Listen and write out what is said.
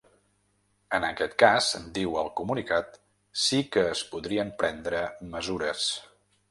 En aquest cas, diu el comunicat, sí que es podrien prendre mesures.